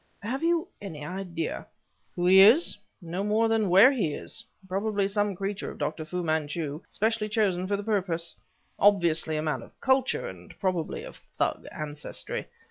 "Have you any idea..." "Who he is? No more than where he is! Probably some creature of Dr. Fu Manchu specially chosen for the purpose; obviously a man of culture, and probably of thug ancestry.